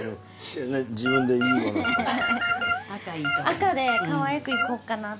赤でかわいくいこうかなって。